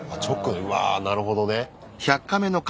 うわなるほどね。